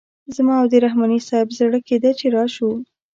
زما او د رحماني صیب زړه کیده چې راشو.